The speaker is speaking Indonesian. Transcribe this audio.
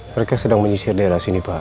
mereka sedang menyisir daerah sini pak